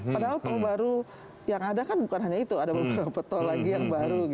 padahal tol baru yang ada kan bukan hanya itu ada beberapa tol lagi yang baru